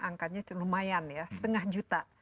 angkanya lumayan ya setengah juta